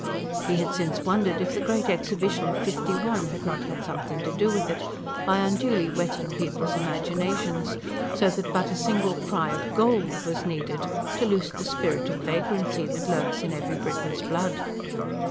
He had since wondered if the Great Exhibition of '51 had not had something to do with it, by unduly whetting people's imaginations; so that but a single cry of "Gold!" was needed, to loose the spirit of vagrancy that lurks in every Briton's blood.